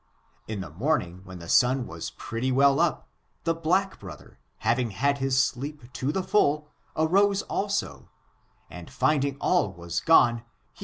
In the morning, when the sun was pretty well up, the black brother, having had his sleep to the full, arose also, and finding all was gone he